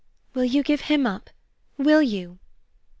"Will you give HIM up? Will you?"